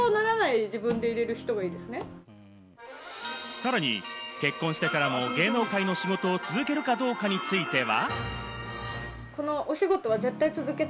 さらに結婚してからも芸能界の仕事を続けるかどうかについては。